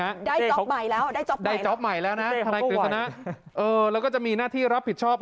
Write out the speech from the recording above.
ได้จ๊อปใหม่แล้วได้จ๊อปได้จ๊อปใหม่แล้วนะทนายกฤษณะเออแล้วก็จะมีหน้าที่รับผิดชอบ